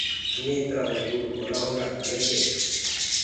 همينٚ اِترآ مجبور ڪونآ هوندآ ڪآلي ڪي